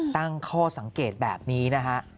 ตั้งข้อสังเกตแบบนี้นะฮะ